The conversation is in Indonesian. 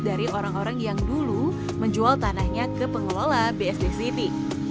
dari orang orang yang dulu menjual tanahnya ke pengelola bsd city